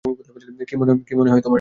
কী মনে হয় তোমার?